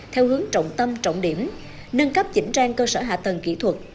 theo hướng trọng tâm trọng điểm nâng cấp chỉnh trang cơ sở hạ tầng kỹ thuật